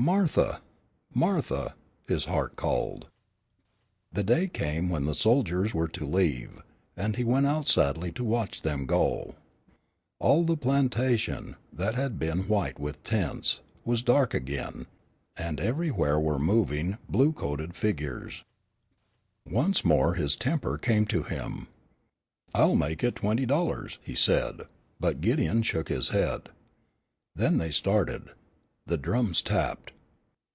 "Martha! Martha!" his heart called. The day came when the soldiers were to leave, and he went out sadly to watch them go. All the plantation, that had been white with tents, was dark again, and everywhere were moving, blue coated figures. Once more his tempter came to him. "I'll make it twenty dollars," he said, but Gideon shook his head. Then they started. The drums tapped.